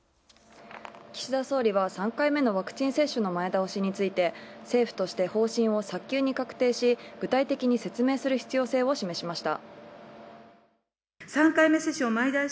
岸田総理は、ワクチン接種の前倒しについて、政府として早急に確定し、具体的に説明する必要性を示しました。